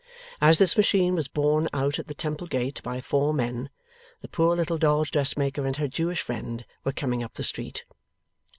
As this machine was borne out at the Temple gate by four men, the poor little dolls' dressmaker and her Jewish friend were coming up the street.